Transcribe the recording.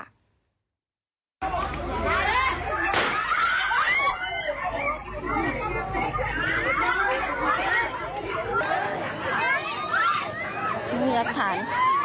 เหนือผัน